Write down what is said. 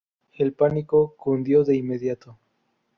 El pánico cundió de inmediato.